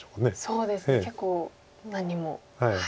そうですね結構何人も。